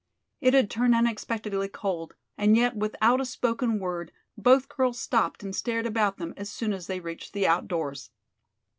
It had turned unexpectedly cold, and yet without a spoken word both girls stopped and stared about them as soon as they reached the outdoors.